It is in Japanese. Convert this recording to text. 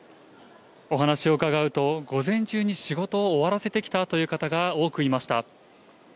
お話を伺うと、午前中に仕事を終わらせてきたという方が多くいました。